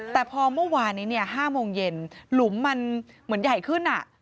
แต่พอเมื่อวานนี้๕โมงเย็นหลุมมันเหมือนใหญ่ขึ้น